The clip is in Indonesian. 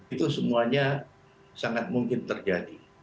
itu semuanya sangat mungkin terjadi